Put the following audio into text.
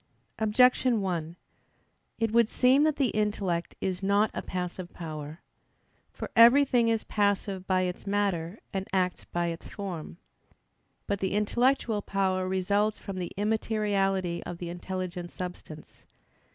Objection 1: It would seem that the intellect is not a passive power. For everything is passive by its matter, and acts by its form. But the intellectual power results from the immateriality of the intelligent substance.